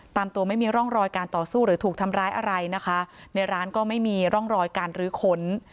ตามตัวไม่มีร่องรอยการต่อสู้หรือถูกทำร้ายอะไรนะคะในร้านก็ไม่มีร่องรอยการรื้อค้น